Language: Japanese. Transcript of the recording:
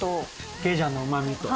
ケジャンのうまみと。